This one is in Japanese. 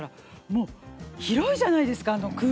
もう広いじゃないですかあの空間が。